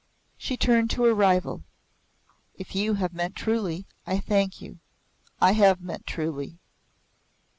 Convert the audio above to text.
She turned to her rival. "If you have meant truly, I thank you." "I have meant truly."